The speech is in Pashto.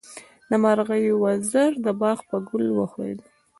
د مرغۍ وزر د باغ په ګل وښویېد.